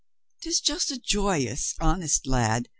'Tis just a joyous, honest lad.